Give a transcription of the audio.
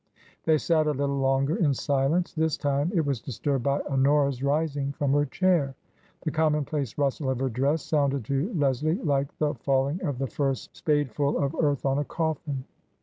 They sat a little longer in silence. This time it was disturbed by Honora's rising from her chair. The com monplace rustle of her dress sounded to Leslie like the falling of the first spadeful of earth on a c6ffin.